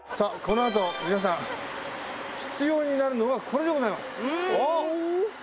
このあと皆さん必要になるのはこれでございます。